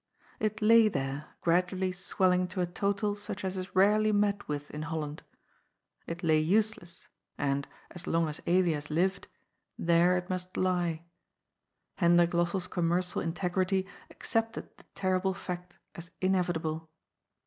It lay there, gradually swelling to a total such as is rarely met with in Holland ; it lay useless, and, as long as Elias lived, there it must lie. Hendrik Lossell's commercial integrity accepted the terrible fact as inevitable.